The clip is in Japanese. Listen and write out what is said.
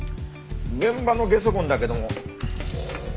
現場のゲソ痕だけども。